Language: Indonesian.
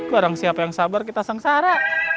barang siapa yang sabar kita sengsara